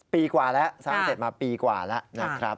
ปีกว่าแล้วสร้างเสร็จมาปีกว่าแล้วนะครับ